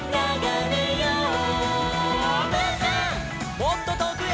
「もっととおくへ」